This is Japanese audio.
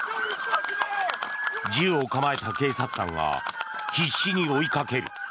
銃を構えた警察官が必死に追いかける。